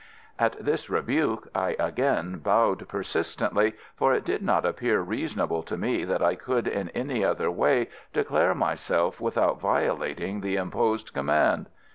At this rebuke I again bowed persistently, for it did not appear reasonable to me that I could in any other way declare myself without violating the imposed command.